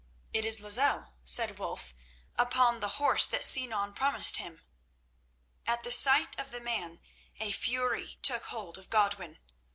"It is Lozelle," said Wulf, "upon the horse that Sinan promised him." At the sight of the man a fury took hold of Godwin.